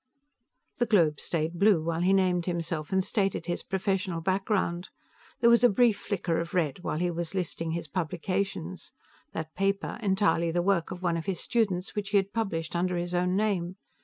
The globe stayed blue while he named himself and stated his professional background. There was a brief flicker of red while he was listing his publication that paper, entirely the work of one of his students, which he had published under his own name.